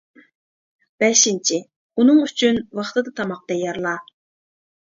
بەشىنچى: ئۇنىڭ ئۈچۈن ۋاقتىدا تاماق تەييارلا.